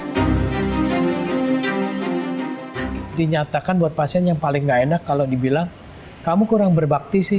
dinyatakan buat pasien yang paling gak enak kalau dibilang kamu kurang berbakti sih